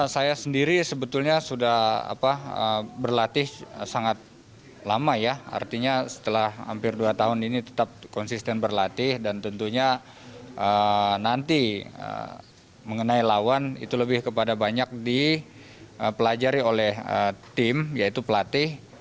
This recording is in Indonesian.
saya sendiri sebetulnya sudah berlatih sangat lama ya artinya setelah hampir dua tahun ini tetap konsisten berlatih dan tentunya nanti mengenai lawan itu lebih kepada banyak dipelajari oleh tim yaitu pelatih